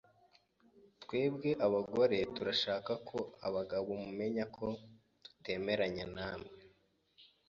Twebwe abagore turashaka ko abagabo mumenya ko tutemeranya nawe.